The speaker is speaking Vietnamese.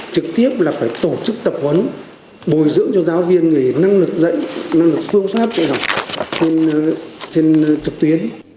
trực tiếp là phải tổ chức tập huấn bồi dưỡng cho giáo viên về năng lực dạy năng lực phương pháp dạy học trên trực tuyến